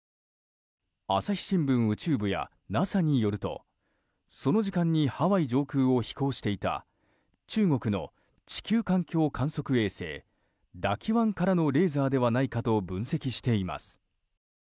朝日新聞宇宙部やＮＡＳＡによるとその時間にハワイ上空を飛行していた中国の地球環境観測衛星「Ｄａｑｉ１」からのレーザーではないかと分析しています。